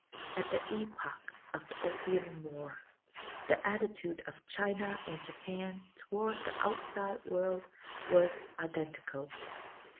^^ At the epoch of the Opium War, the attitude of China and Japan toward the outside world was identical.